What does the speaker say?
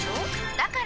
だから！